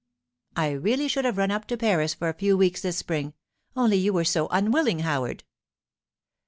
I really should have run up to Paris for a few weeks this spring, only you were so unwilling, Howard.